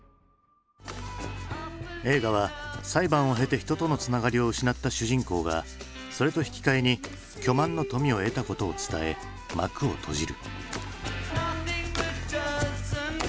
映画は裁判を経て人とのつながりを失った主人公がそれと引き換えに巨万の富を得たことを伝え幕を閉じる。